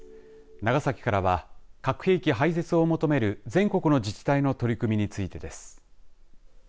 長崎からは核兵器廃絶を求める全国の自治体の取り組みについてです。